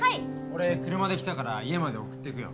俺車で来たから家まで送っていくよ。